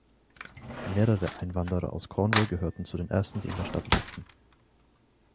Mehrere Einwanderer aus Cornwall gehörten zu den ersten, die in der Stadt lebten.